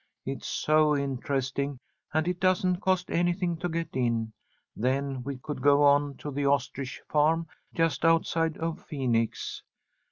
It's so interesting, and it doesn't cost anything to get in. Then we could go on to the ostrich farm just outside of Phoenix.